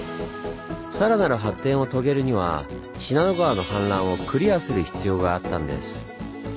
さらなる発展を遂げるには信濃川の氾濫をクリアする必要があったんです。